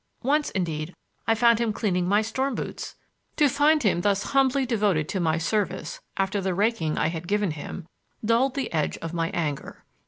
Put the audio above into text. Once, indeed, I found him cleaning my storm boots! To find him thus humbly devoted to my service after the raking I had given him dulled the edge of my anger.